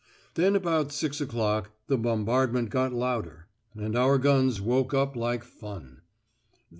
Then about six o'clock the bombardment got louder, and our guns woke up like fun.